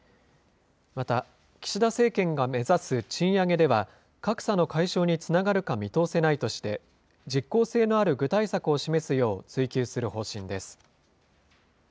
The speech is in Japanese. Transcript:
また岸田政権が目指す賃上げでは、格差の解消につながるか見通せないとして、実効性のある具体策を示すよう、追及する方針です。